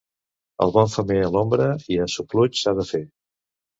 El bon femer a l'ombra i a sopluig s'ha de fer.